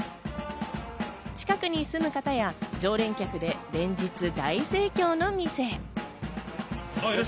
近くに住む方や常連客で連日大盛況の店。